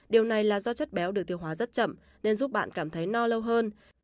điều này là do chất béo được tiêu hóa rất chậm nên giúp bạn cảm thấy no lâu hơn